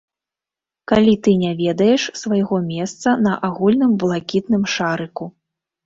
Калі ты не ведаеш свайго месца на агульным блакітным шарыку.